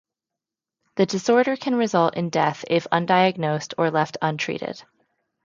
The disorder can result in death if undiagnosed or left untreated.